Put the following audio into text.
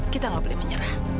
kita gak boleh menyerah